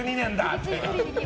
って。